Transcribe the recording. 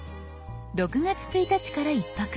６月１日から１泊。